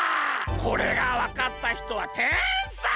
これがわかったひとはてんさい！